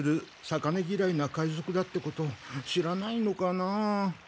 魚ぎらいな海賊だってこと知らないのかなあ。